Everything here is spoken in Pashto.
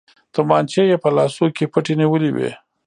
تمانچې يې په لاسو کې پټې نيولې وې.